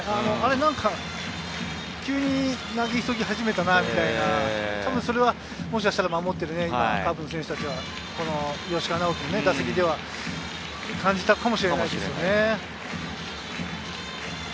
何か急に投げ急ぎ始めたなとか、それはもしかしたら守ってるカープの選手たちは、吉川尚輝の打席では感じたかもしれないですね。